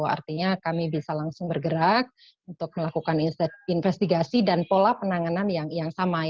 artinya kami bisa langsung bergerak untuk melakukan investigasi dan pola penanganan yang sama